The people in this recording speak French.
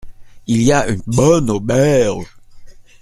Il y a une bonne auberge.